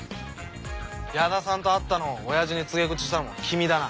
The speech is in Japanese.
矢田さんと会ったのを親父に告げ口したのもキミだな？